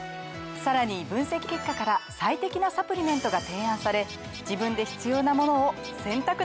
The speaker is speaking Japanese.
さらに分析結果から最適なサプリメントが提案され自分で必要なものを選択できます！